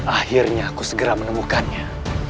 akhirnya aku segera menemukannya